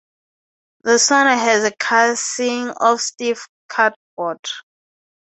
The sonde has a casing of stiff cardboard.